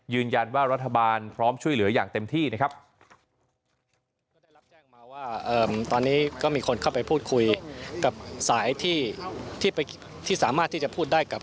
รัฐบาลพร้อมช่วยเหลืออย่างเต็มที่นะครับ